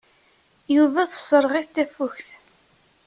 Yuba tesserɣ-it tafukt.